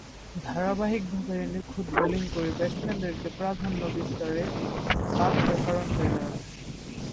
ধারাবাহিকভাবে নিখুঁত বোলিং করে ব্যাটসম্যানদেরকে প্রাধান্য বিস্তারে বাঁধার কারণ হয়ে দাঁড়ান।